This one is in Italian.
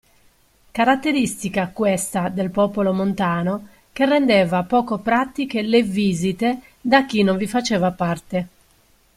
Caratteristica, questa del popolo montano, che rendeva poco pratiche le visite da chi non vi faceva parte.